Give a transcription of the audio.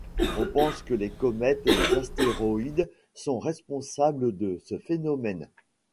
On pense que les comètes et les astéroïdes sont responsables de ce phénomène.